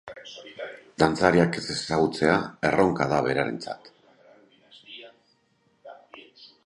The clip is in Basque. Dantzariak ez ezagutzea erronka da berarentzat.